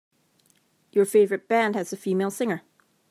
Your favorite band has a female singer.